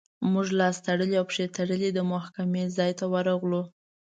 موږ لاس تړلي او پښې تړلي د محکمې ځای ته ورغلو.